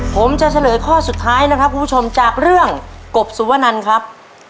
ผมจะเฉลยข้อสุดท้ายนะครับคุณผู้ชมจากเรื่องกบสุวนันครับ